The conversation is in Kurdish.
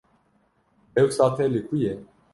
Dewsa te li ku ye?